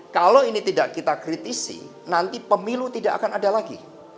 kalau ini tidak kita kritisi nanti pemilu tidak akan ada lagi